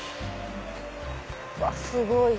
うわっすごい！